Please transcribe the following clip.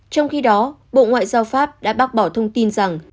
trong khi đó bộ ngoại giao pháp đã bác bỏ thông tin rằng